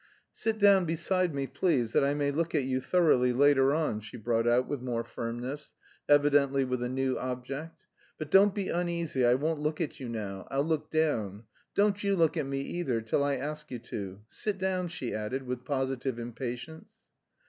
"Sit down beside me, please, that I may look at you thoroughly later on," she brought out with more firmness, evidently with a new object. "But don't be uneasy, I won't look at you now. I'll look down. Don't you look at me either till I ask you to. Sit down," she added, with positive impatience.